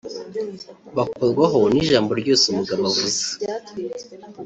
bakorwaho ni ijambo ryose umugabo avuze